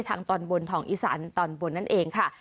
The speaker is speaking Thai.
ทางตอนบนของอีสานตอนบนนั่นเองค่ะ